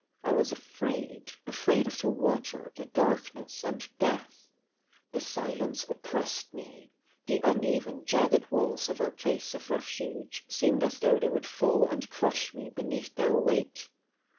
I was afraid, afraid of the water, the darkness, and death. The silence oppressed me, the uneven, jagged walls of our place of refuge seemed as though they would fall and crush me beneath their weight.